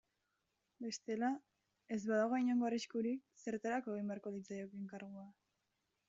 Bestela, ez badago inongo arriskurik zertarako egin beharko litzaioke enkargua.